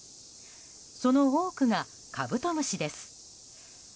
その多くがカブトムシです。